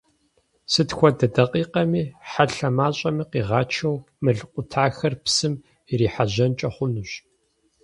Сыт хуэдэ дакъикъэми хьэлъэ мащӀэми къигъачэу мыл къутахэр псым ирихьэжьэнкӀэ хъунущ.